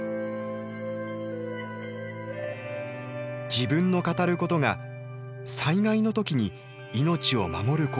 自分の語ることが災害の時に命を守る行動につながるのか。